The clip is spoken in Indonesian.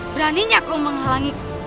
beraninya kau menghalangiku